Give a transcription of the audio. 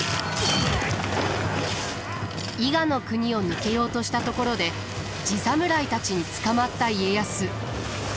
伊賀国を抜けようとしたところで地侍たちに捕まった家康。